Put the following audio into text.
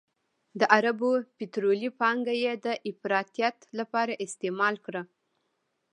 د عربو پطرولي پانګه یې د افراطیت لپاره استعمال کړه.